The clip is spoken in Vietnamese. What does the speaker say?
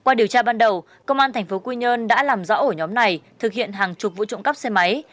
qua điều tra ban đầu công an tp quy nhơn đã làm rõ ổ nhóm này thực hiện hàng chục vụ trộm cắp xe máy